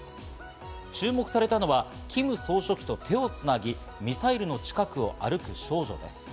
注目されたのはキム総書記と手をつなぎ、ミサイルの近くを歩く少女です。